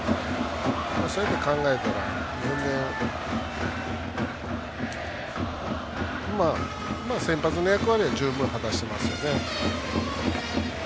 そういうふうに考えたら全然、先発の役割は十分果たしていますよね。